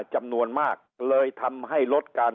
จำนวนมากเลยทำให้ลดการ